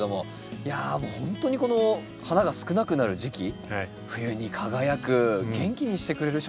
いやほんとにこの花が少なくなる時期冬に輝く元気にしてくれる植物ですね。